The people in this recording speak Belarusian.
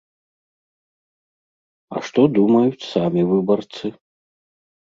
А што думаюць самі выбарцы?